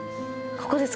ここです。